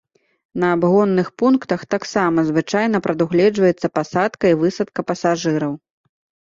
На абгонных пунктах таксама звычайна прадугледжваецца пасадка і высадка пасажыраў.